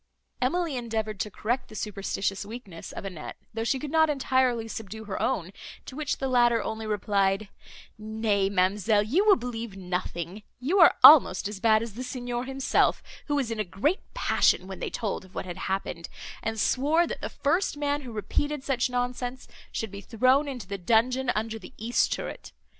Emily endeavoured to correct the superstitious weakness of Annette, though she could not entirely subdue her own; to which the latter only replied, "Nay, ma'amselle, you will believe nothing; you are almost as bad as the Signor himself, who was in a great passion when they told of what had happened, and swore that the first man, who repeated such nonsense, should be thrown into the dungeon under the east turret.